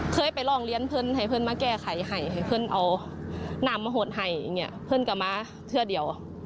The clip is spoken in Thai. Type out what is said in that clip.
เคยไปร้องเรียนให้เพื่อนมาแก้ไขให้เพื่อนเอาน้ำมาหดให้เพื่อนกับม้าเทือเดียว